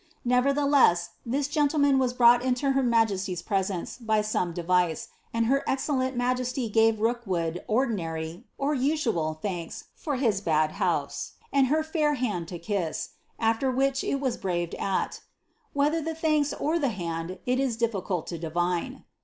Nevertheless, this gentleman was brought inio her majesty's presence by some device, and her excellent majesty gave Rookwood ordinary (usual) thanks for his bad house, and her fair hand lo kiss ; after which it was braced at," whether the thanks or ihe hand, it is diljiciilt to divine.